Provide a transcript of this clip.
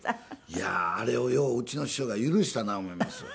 いやーあれをよううちの師匠が許したな思いますわ。